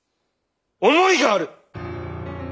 思いがある！